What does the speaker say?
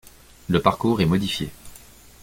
Le parcours est modifié.